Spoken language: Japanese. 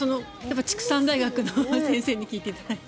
畜産大学の先生に聞いていただいて。